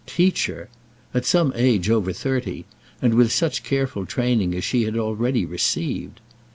Teach her! at some age over thirty; and with such careful training as she had already received!